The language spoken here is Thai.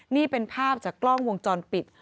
นี่เป็นภาพจากกล้องวงจรปิด